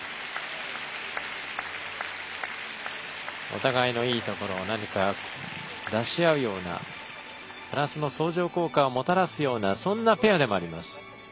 お互いのいいところを何か出し合うようなプラスの相乗効果をもたらすようなそんなペアでもあります。